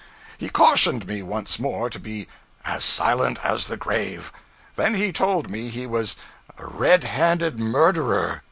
He cautioned me once more to be 'as silent as the grave;' then he told me he was a 'red handed murderer.'